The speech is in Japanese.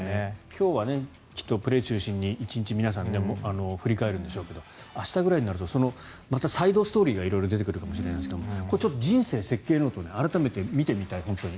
今日はきっとプレー中心に１日皆さん振り返るんでしょうけど明日ぐらいになるとまたサイドストーリーが色々出てくるかもしれないですがこれ、人生設計ノート改めて見てみたい、本当に。